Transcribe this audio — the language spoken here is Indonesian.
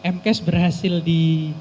m cash berhasil di